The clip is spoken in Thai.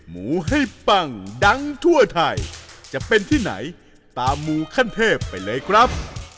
หมูให้ปังดังทั่วไทยจะเป็นที่ไหนตามมูขั้นเทพไปเลยครับ